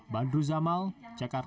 badru zamal cekar